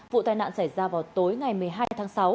vụ tai nạn xảy ra vào tối ngày một mươi hai tháng sáu